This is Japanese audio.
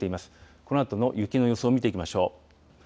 このあとの雪の様子を見ていきましょう。